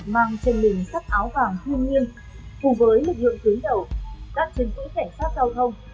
mang trên mình sắc áo vàng thiên nhiên cùng với lực lượng tướng đầu các chiến quỹ cảnh sát giao thông